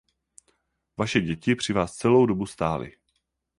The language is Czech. Vaše děti při vás celou dobu stály.